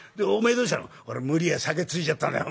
「俺無理やり酒ついじゃったんだよ。